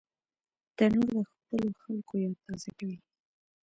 تنور د خپلو خلکو یاد تازه کوي